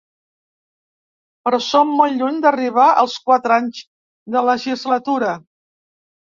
Però som molt lluny d’arribar als quatre anys de legislatura.